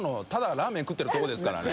ラーメン食ってるとこですからね。